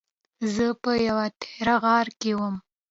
زه په یوه تیاره غار کې وم.